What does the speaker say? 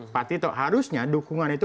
pak tito harusnya dukungan itu